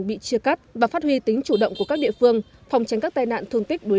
bị chia cắt và phát huy tính chủ động của các địa phương phòng tránh các tai nạn thương tích đuối